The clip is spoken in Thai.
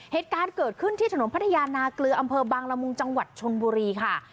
เหตุการณ์เกิดขึ้นที่ถนนพัทยานาเกลืออำเภอบางละมุงจังหวัดชนบุรีค่ะ